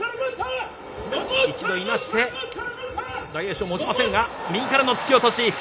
一度いなして、大栄翔、もちませんが、右からの突き落とし。